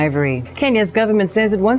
và đây là trộm còn trộm